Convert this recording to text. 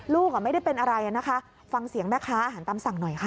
ไม่ได้เป็นอะไรนะคะฟังเสียงแม่ค้าอาหารตามสั่งหน่อยค่ะ